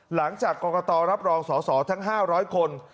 หลังจากกรรมการตรอบรองสสทั้ง๕๐๐คน